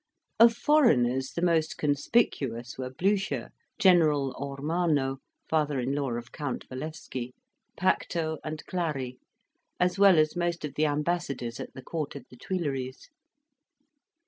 Of foreigners the most conspicuous were Blucher, General Ormano, father in law of Count Walewski, Pacto, and Clari, as well as most of the ambassadors at the court of the Tuileries.